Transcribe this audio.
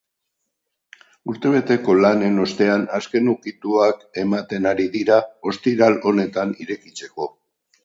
Urtebeteko lanen ostean azken ukituak ematen ari dira, ostiral honetan irekitzeko.